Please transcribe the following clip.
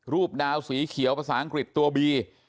ดาวสีเขียวภาษาอังกฤษตัวบี